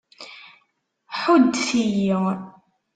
Ḥuddet-iyi!